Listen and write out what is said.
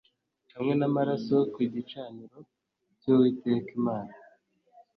hamwe n amaraso ku gicaniro cy uwiteka imana